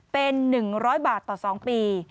เป็น๑๐๐บาทต่อ๒ปี